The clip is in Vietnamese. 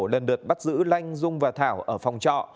lần lượt bắt giữ lanh dung và thảo ở phòng trọ